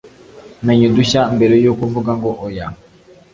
menya udushya mbere yuko uvuga ngo oya